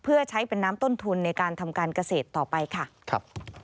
เพื่อใช้เป็นน้ำต้นทุนในการทำการเกษตรต่อไปค่ะครับ